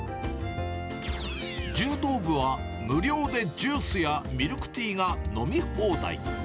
柔道部は無料でジュースやミルクティーが飲み放題。